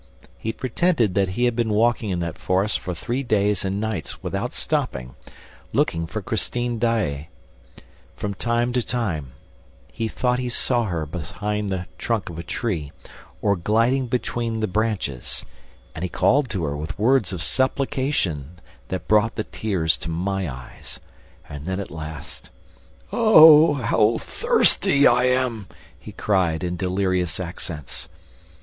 He pretended that he had been walking in that forest for three days and nights, without stopping, looking for Christine Daae! From time to time, he thought he saw her behind the trunk of a tree, or gliding between the branches; and he called to her with words of supplication that brought the tears to my eyes. And then, at last: "Oh, how thirsty I am!" he cried, in delirious accents.